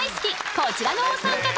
こちらのお三方。